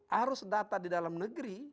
harus data di dalam negeri